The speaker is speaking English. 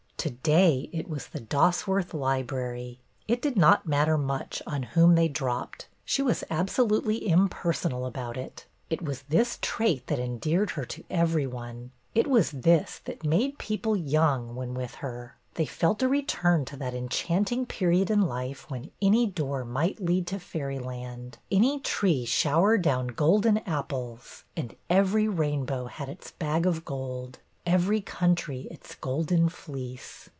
To day it was the Dosworth Library. It did not matter much on whom they dropped. She was absolutely impersonal about it. SUCCESS 313 It was this trait that endeared her to every one. It was this that made people young when with her. They felt a return to that enchanting period in life when any door might lead to fairy land, any tree shower down golden apples; and every rainbow had its bag of gold, every country its golden fleece.